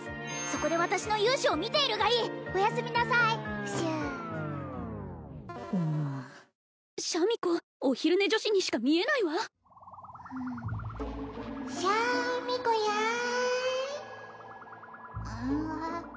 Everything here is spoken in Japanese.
そこで私の勇姿を見ているがいいおやすみなさいふしゅうんシャミ子お昼寝女子にしか見えないわシャミ子やいうん